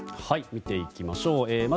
見ていきましょう。